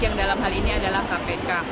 yang dalam hal ini adalah kpk